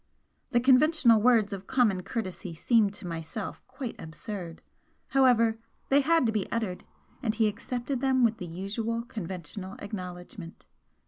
The conventional words of common courtesy seemed to myself quite absurd, however, they had to be uttered, and he accepted them with the usual conventional acknowledgment.